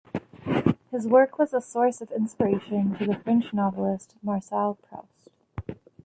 His work was a source of inspiration to the French novelist Marcel Proust.